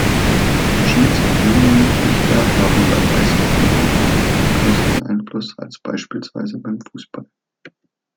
Schieds- und Linienrichter haben beim Eishockey einen erheblich größeren Einfluss als beispielsweise beim Fußball.